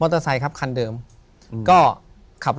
ถูกต้องไหมครับถูกต้องไหมครับ